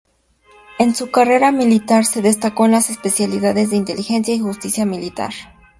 En su carrera militar se destacó en las especialidades de Inteligencia y Justicia Militar.